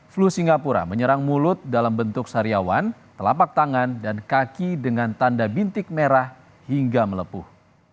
flu singapura menyerang mulut dalam bentuk sariawan telapak tangan dan kaki dengan tanda bintik merah hingga melepuh